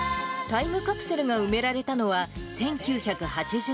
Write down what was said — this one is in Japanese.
タイムカプセルが埋められたのは１９８２年。